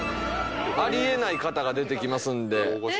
あり得ない方が出てきますんで。